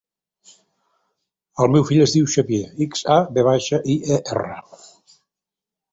El meu fill es diu Xavier: ics, a, ve baixa, i, e, erra.